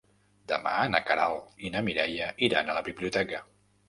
Demà na Queralt i na Mireia iran a la biblioteca.